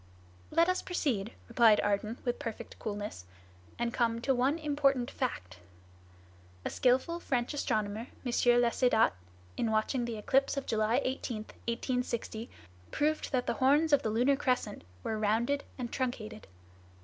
"Let us proceed," replied Ardan, with perfect coolness, "and come to one important fact. A skillful French astronomer, M. Laussedat, in watching the eclipse of July 18, 1860, probed that the horns of the lunar crescent were rounded and truncated.